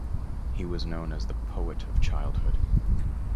He was known as the poet of childhood.